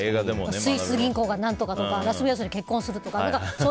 スイス銀行が何とかとかラスベガスで結婚するとか。